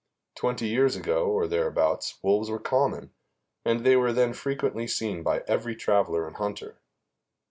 Twenty years ago, or thereabouts, wolves were common, and they were then frequently seen by every traveler and hunter.